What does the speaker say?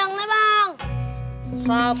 penga mauthat game